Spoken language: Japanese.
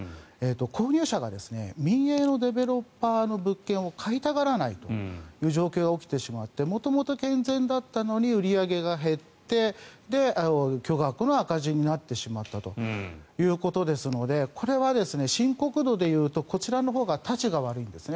購入者が民営のディベロッパーの物件を買いたがらないという状況が起きてしまって元々、健全だったのに売り上げが減って巨額の赤字になってしまったということですのでこれは深刻度で言うとこちらのほうがたちが悪いんです。